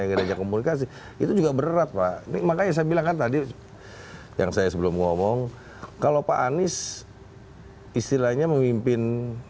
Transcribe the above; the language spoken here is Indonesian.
yang diajak komunikasi itu juga berat pak ini makanya saya bilang kan tadi yang saya sebelum ngomong kalau pak anies istilahnya memimpin